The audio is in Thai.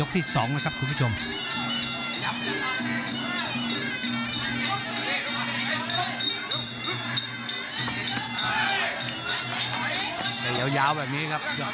แต่ยาวแบบนี้ครับ